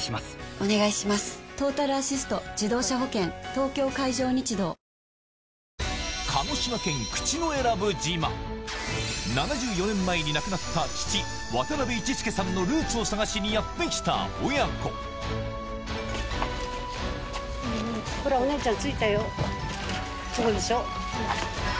東京海上日動７４年前に亡くなった父渡市助さんのルーツを探しにやって来た親子ほらお姉ちゃん。